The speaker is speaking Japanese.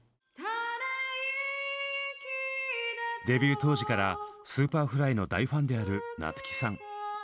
デビュー当時からＳｕｐｅｒｆｌｙの大ファンである夏木さん